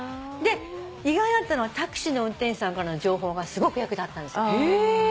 意外だったのはタクシーの運転手さんからの情報がすごく役立ったんですよ。へ。